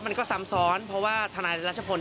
มันก็ซ้ำซ้อนเพราะว่าทนายรัชพล